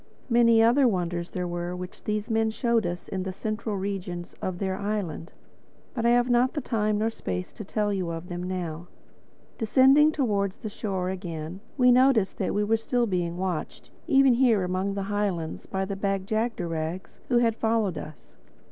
Many other wonders there were which these men showed us in the central regions of their island. But I have not time or space to tell you of them now. Descending towards the shore again, we noticed that we were still being watched, even here among the highlands, by the Bag jagderags who had followed us.